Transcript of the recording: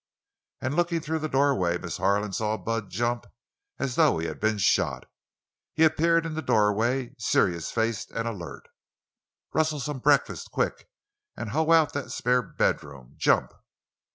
And, looking through the doorway, Miss Harlan saw Bud jump as though he had been shot. He appeared in the doorway, serious faced and alert. "Rustle some breakfast—quick! And hoe out that spare bedroom. Jump!"